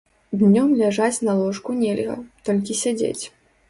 Днём ляжаць на ложку нельга, толькі сядзець.